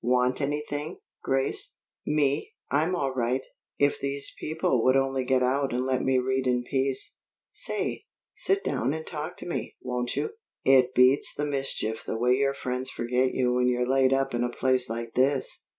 "Want anything, Grace?" "Me? I'm all right. If these people would only get out and let me read in peace Say, sit down and talk to me, won't you? It beats the mischief the way your friends forget you when you're laid up in a place like this."